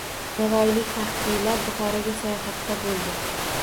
Navoiylik faxriylar Buxoroga sayohatdabo‘ldi